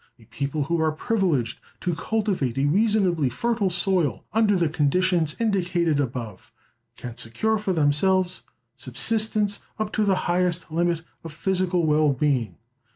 A people who are privileged to cultivate a reasonably fertile soil, under the conditions indicated above, can secure for themselves subsistence up to the highest limit of physical well being.